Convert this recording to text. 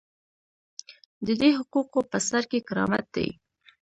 د دې حقوقو په سر کې کرامت دی.